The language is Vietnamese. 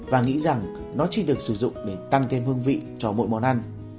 và nghĩ rằng nó chỉ được sử dụng để tăng thêm hương vị cho mỗi món ăn